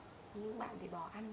có những bạn thì bỏ ăn